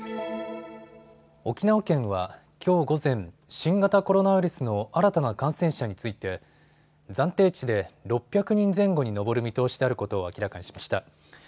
沖縄県はきょう午前、新型コロナウイルスの新たな感染者について暫定値で６００人前後に上る見通しであることを明らかにしました。